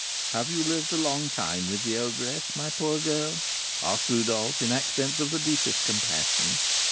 "Have you lived a long time with the ogress, my poor girl?" asked Rodolph, in accents of the deepest compassion.